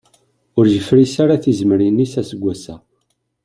Ur yefris ara tizemmrin-is aseggas-a.